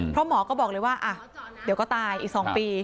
เพราะหมอก็บอกเลยว่าเดี๋ยวก็ตายอีก๒ปี